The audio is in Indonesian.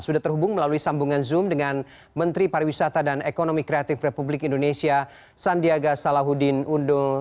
sudah terhubung melalui sambungan zoom dengan menteri pariwisata dan ekonomi kreatif republik indonesia sandiaga salahuddin undul